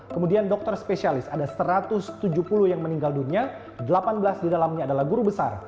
kemudian dokter spesialis ada satu ratus tujuh puluh yang meninggal dunia delapan belas di dalamnya adalah guru besar